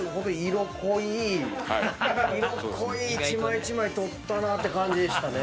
色濃い一枚一枚撮ったなって感じでしたね。